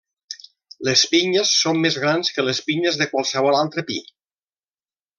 Les pinyes són més grans que les pinyes de qualsevol altre pi.